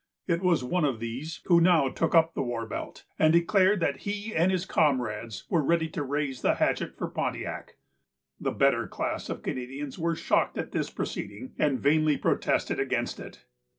It was one of these who now took up the war belt, and declared that he and his comrades were ready to raise the hatchet for Pontiac. The better class of Canadians were shocked at this proceeding, and vainly protested against it.